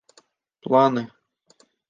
планы